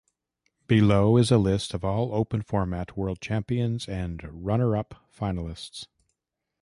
Below is a list of all Open format World Champions and Runner-up finalists.